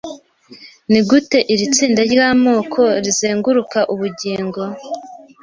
Nigute iri tsinda ryamoko rizenguruka ubugingo